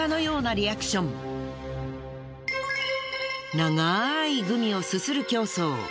ながいグミをすする競争。